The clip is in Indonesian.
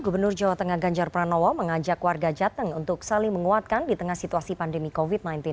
gubernur jawa tengah ganjar pranowo mengajak warga jateng untuk saling menguatkan di tengah situasi pandemi covid sembilan belas